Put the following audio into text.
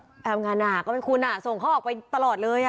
เรามงานหนักเป็นคุณส่งฝ้าออกไปตลอดเลย